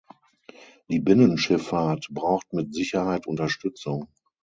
Die Binnenschifffahrt braucht mit Sicherheit Unterstützung.